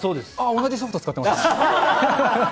同じソフト使ってます。